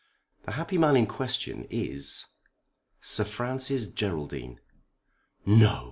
The happy man in question is Sir Francis Geraldine." "No!"